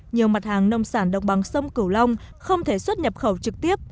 nhiều mặt hàng nông sản đồng bằng sông cửu long không thể xuất nhập khẩu trực tiếp